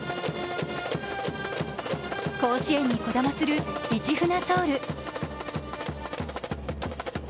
甲子園にこだまする「市船ｓｏｕｌ」。